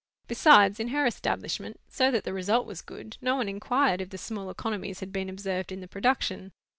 Besides, in her establishment, so that the result was good, no one inquired if the small economies had been observed in the production.